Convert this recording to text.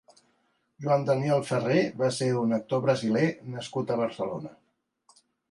Joan Daniel Ferrer va ser un actor brasiler nascut a Barcelona.